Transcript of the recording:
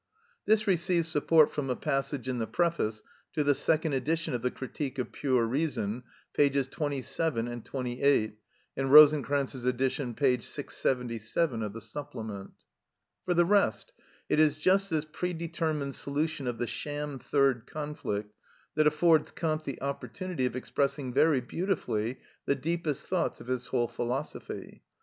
This receives support from a passage in the preface to the second edition of the "Critique of Pure Reason," pp. xxvii. and xxviii., in Rosenkranz's edition, p. 677 of the Supplement. For the rest, it is just this predetermined solution of the sham third conflict that affords Kant the opportunity of expressing very beautifully the deepest thoughts of his whole philosophy.